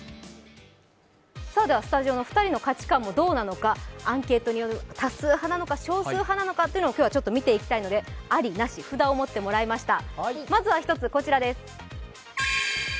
スタジオの２人の価値観もどうなのか、アンケートによる、多数派なのか少数派なのか見ていきたいのであり、なし、札を持ってもらいました。